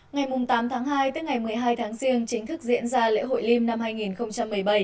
ngày tám tháng hai tức ngày một mươi hai tháng riêng chính thức diễn ra lễ hội liêm năm hai nghìn một mươi bảy